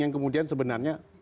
yang kemudian sebenarnya